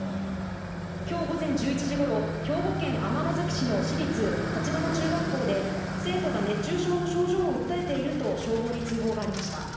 きょう午前１１時ごろ、兵庫県尼崎市の市立立花中学校で、生徒が熱中症の症状を訴えていると消防に通報がありました。